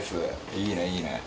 いいねいいね。